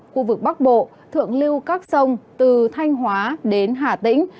khu vực bắc bộ thượng lưu các sông từ thanh hóa đến hà tĩnh